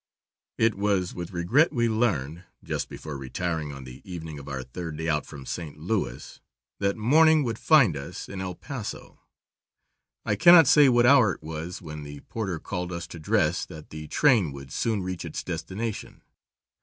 It was with regret we learned just before retiring on the evening of our third day out from St. Louis, that morning would find us in El Paso. I cannot say what hour it was when the porter called us to dress, that the train would soon reach its destination.